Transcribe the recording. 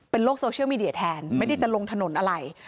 โลกโซเชียลมีเดียแทนไม่ได้จะลงถนนอะไร